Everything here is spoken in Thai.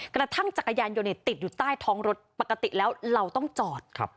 กระทั่งจักรยานยนต์ติดอยู่ใต้ท้องรถปกติแล้วเราต้องจอด